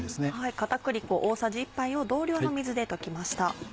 片栗粉大さじ１杯を同量の水で溶きました。